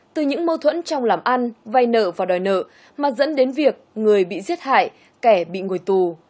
từ những mâu thuẫn trong làm ăn vay nợ và đòi nợ mà dẫn đến việc người bị giết hại kẻ bị ngồi tù